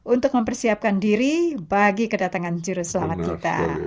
untuk mempersiapkan diri bagi kedatangan juru selamat kita